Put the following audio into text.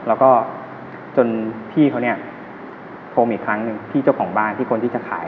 แล้วก็จนพี่เขาเนี่ยโทรมาอีกครั้งหนึ่งที่เจ้าของบ้านที่คนที่จะขาย